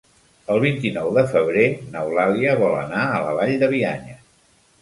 El vint-i-nou de febrer n'Eulàlia vol anar a la Vall de Bianya.